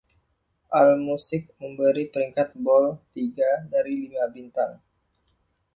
AllMusic memberi peringkat "Ball" tiga dari lima bintang.